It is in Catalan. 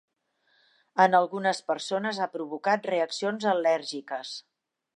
En algunes persones ha provocat reaccions al·lèrgiques.